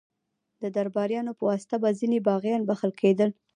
د درباریانو په واسطه به ځینې باغیان بخښل کېدل.